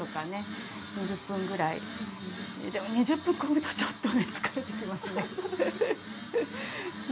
でも２０分こぐとちょっと疲れてきますね。